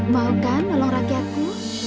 mau kan nolong rakyatku